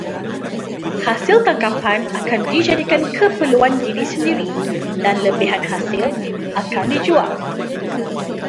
Hasil tangkapan akan dijadikan keperluan diri sendiri dan lebihan hasil akan dijual.